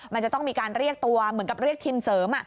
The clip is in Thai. มันจะต้องมีการเรียกตัวเหมือนกับเรียกทีมเสริม